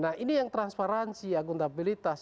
nah ini yang transparansi akuntabilitas